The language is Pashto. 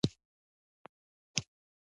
• د غاښونو درملنه باید ځنډ ونه لري.